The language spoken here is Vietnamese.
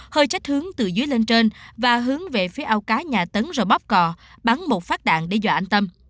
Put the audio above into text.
hơi trách hướng từ dưới lên trên và hướng về phía ao cá nhà tấn rồi bóp cò bắn một phát đạn để dọa anh tâm